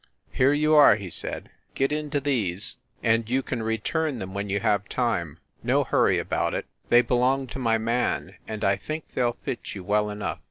"Here you are," he said. "Get into these, and 120 FIND THE WOMAN you can return them when you have time. No hurry about it. They belong to my man, and I think they ll fit you well enough.